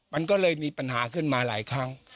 มันก็เลยมีปัญหาขึ้นมาหลายครั้ง